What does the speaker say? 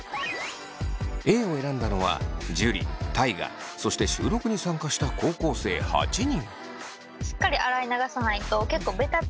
Ａを選んだのは樹大我そして収録に参加した高校生８人。